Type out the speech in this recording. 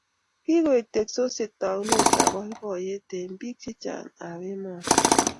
Kikoek teksosiet taunet ab boiboyet eng bik che chang ab emoni